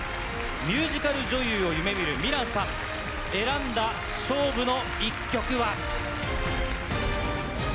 ミュージカル女優を夢見る心蘭さん選んだ勝負の１曲は？